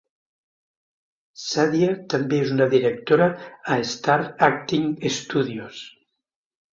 Shadia també és una directora a Star Acting Studios.